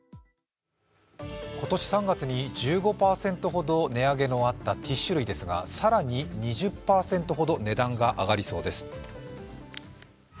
今年３月に１５％ほど値上げのあったティッシュ類ですが、更に２０％ほど値段が上がりそうです。